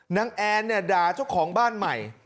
นางแอนด่าเจ้าของบ้านใหม่